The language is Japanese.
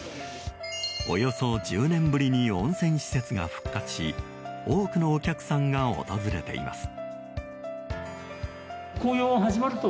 およそ１０年ぶりに温泉施設が復活し多くのお客さんが訪れています。